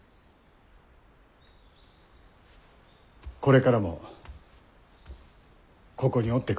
これからもここにおってくれぬか？